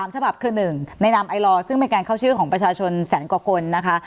๓ฉบับคือ๑ในนามไอลอร์ซึ่งเป็นการเข้าชื่อของประชาชนแสนกว่าคนนะคะ